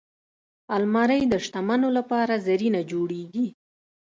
الماري د شتمنو لپاره زرینده جوړیږي